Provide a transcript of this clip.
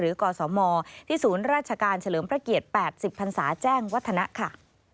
กศมที่ศูนย์ราชการเฉลิมพระเกียรติ๘๐พันศาแจ้งวัฒนะค่ะ